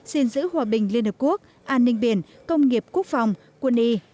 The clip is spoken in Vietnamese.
xin giữ hòa bình liên hợp quốc an ninh biển công nghiệp quốc phòng quân y